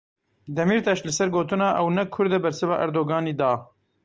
Demirtaş li ser gotina ew ne Kurd e bersiva Erdoganî da.